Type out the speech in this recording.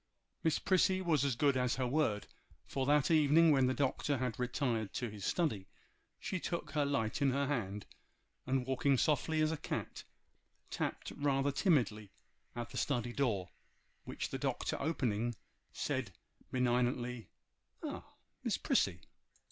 Miss Prissy was as good as her word, for that evening when the Doctor had retired to his study, she took her light in her hand, and walking softly as a cat, tapped rather timidly at the study door, which the Doctor opening, said benignantly— 'Ah! Miss Prissy!